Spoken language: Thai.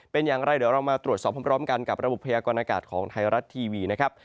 เป็นอย่างไรเดี๋ยวเรามาตรวจสอบพร้อมกันกับระบบพยากรณากาศของไทยรัฐทีวีนะครับ